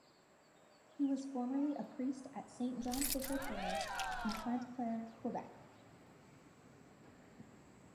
He was formerly a priest at Saint John Fisher parish in Pointe-Claire, Quebec.